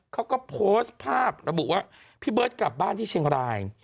เขาก็โพสต์ภาพระบุว่าพี่เบิร์ตกลับบ้านที่เชียงราย